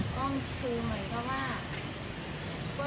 ก็ทั่วไปค่ะ